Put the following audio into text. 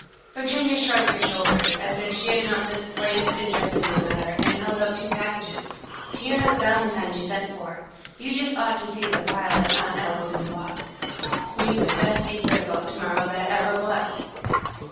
Virginia shrugged her shoulders, as if she had not the slightest interest in the matter, and held out two packages. "Here are the valentines you sent for. You just ought to see the pile that Aunt Allison bought. We've the best secret about to morrow that ever was."